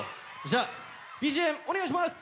じゃあＢＧＭお願いします。